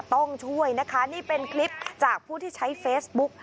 ต้องช่วยนะคะนี่เป็นคลิปจากผู้ที่ใช้เฟซบุ๊ก